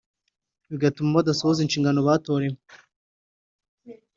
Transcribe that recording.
bigatuma badasohoza inshingano batorewe